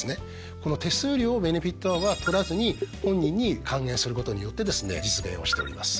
この手数料をベネフィット・ワンは取らずに本人に還元することによってですね実現をしております。